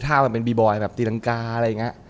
ถ้ามันเป็นบีบอยแบบตีรังกาอะไรอย่างนี้